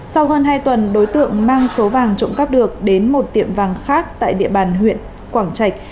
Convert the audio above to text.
sau hơn hai tuần đối tượng mang số vàng trộm cắp được đến một tiệm vàng khác tại địa bàn huyện quảng trạch